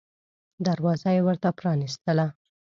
دروازه یې ورته پرانیستله.